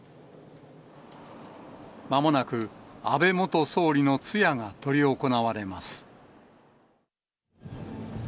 まもなく安倍元総理の通夜が執り行われます。